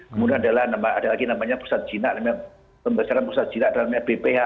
kemudian adalah nama ada lagi namanya prostat jinak dan pembesaran prostat jinak dan bph